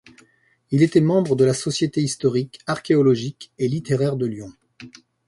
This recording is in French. Il était membre de la Société historique, archéologique et littéraire de Lyon.